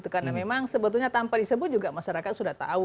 karena memang sebetulnya tanpa disebut juga masyarakat sudah tahu